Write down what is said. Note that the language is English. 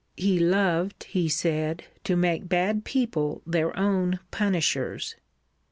He loved, he said, to make bad people their own punishers.